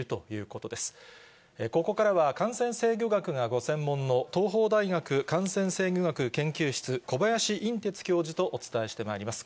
ここからは、感染制御学がご専門の、東邦大学感染制御学研究室、小林寅てつ教授とお伝えしてまいります。